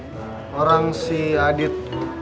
udah pulang si adit